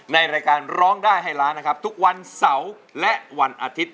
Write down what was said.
ในรายการร้องได้ให้ล้านนะครับทุกวันเสาร์และวันอาทิตย์